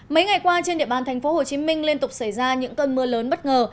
mấy ngày qua trên địa bàn tp hcm liên tục xảy ra những cơn mưa lớn bất ngờ